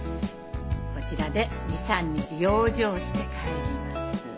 こちらで２３日養生して帰ります。